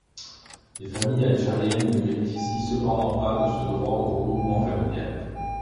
Les familles algériennes ne bénéficient cependant pas de ce droit au regroupement familial.